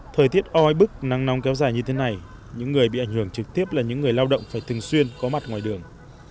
thời tiết oi bức nắng nóng kéo dài như thế này những người bị ảnh hưởng trực tiếp là những người lao động phải thường xuyên có mặt ngoài đường